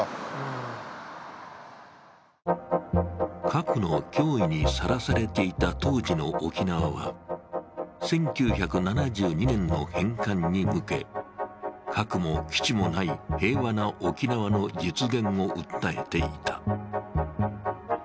核の脅威にさらされていた当時の沖縄は、１９７２年の返還に向け核も基地もない平和な沖縄の実現を訴えていた。